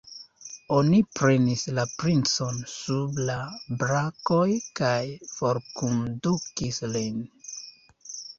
Oni prenis la princon sub la brakoj kaj forkondukis lin.